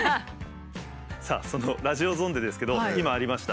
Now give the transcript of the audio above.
さあそのラジオゾンデですけど今ありました